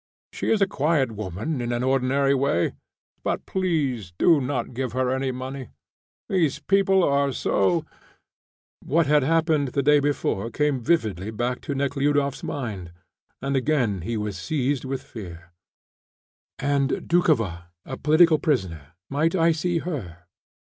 She is a quiet woman in an ordinary way. But please do not give her any money. These people are so " What had happened the day before came vividly back to Nekhludoff's mind, and again he was seized with fear. "And Doukhova, a political prisoner; might I see her?"